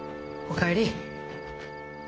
お帰り。